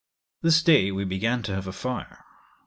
This day we began to have a fire.